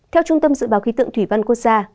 theo trung tâm dự báo khí tượng thủy văn quốc gia